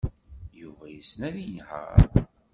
Yuba yessen ad yenheṛ.